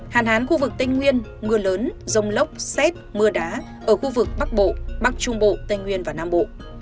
hàn hán khu vực tây nguyên mưa lớn rông lốc xét mưa đá ở khu vực bắc bộ bắc trung bộ tây nguyên và nam bộ